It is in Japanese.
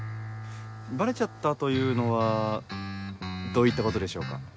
「バレちゃった」というのはどういったことでしょうか？